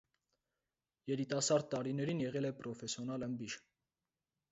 Երիտասարդ տարիներին եղել է պրոֆեսիոնալ ըմբիշ։